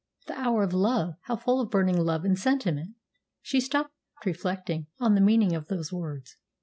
The Hour of Love! How full of burning love and sentiment! She stopped, reflecting on the meaning of those words.